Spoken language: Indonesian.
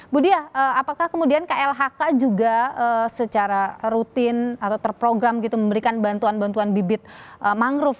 budia apakah kemudian klhk juga secara rutin atau terprogram gitu memberikan bantuan bantuan bibit mangrove